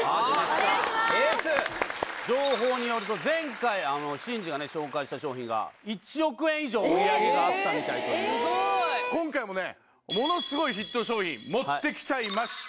お願いしまーす情報によると前回慎二がね紹介した商品が１億円以上売り上げがあったみたいという今回もねものすごいヒット商品持ってきちゃいました！